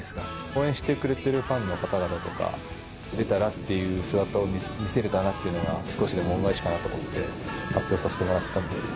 応援してくれてるファンの方々とか、出たらっていう姿を見せれたらっていうのが、少しでも恩返しかなと思って発表させてもらったんで。